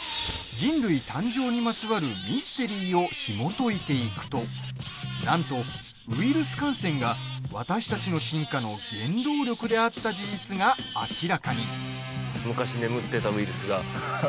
人類誕生にまつわるミステリーをひもといていくとなんとウイルス感染が私たちの進化の原動力であった事実が明らかに。